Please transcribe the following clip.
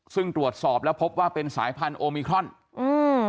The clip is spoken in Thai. ซึ่งตรวจสอบแล้วพบว่าเป็นสายพันธุมิครอนอืม